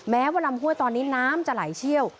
แม้ว่าลำห้วยตอนนี้น้ำจะไหลเชี่ยว